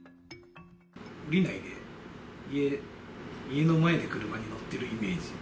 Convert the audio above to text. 降りないで、家の前で車に乗ってるイメージ。